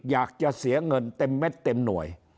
อยากจะเสียเงินเต็มเม็ดเต็มหน่วย